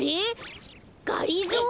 がりぞー